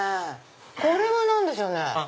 これは何でしょうね。